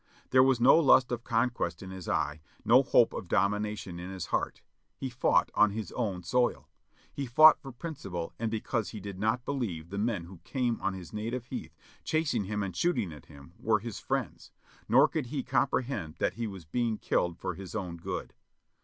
There was no lust of conquest in his eye, no hope of domination in his heart; he fought on his own soil — he fought for principle and because he did not believe the men who came on his "native heath," chasing him and shooting at him, were his friends, nor could he compre hend that he was being killed for his own good.